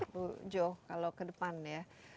bu jo kalau kedepan ya